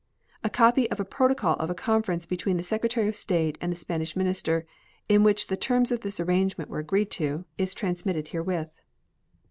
A copy of a protocol of a conference between the Secretary of State and the Spanish minister, in which the terms of this arrangement were agreed to, is transmitted herewith.